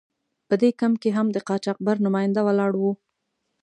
په دې کمپ کې هم د قاچاقبر نماینده ولاړ و.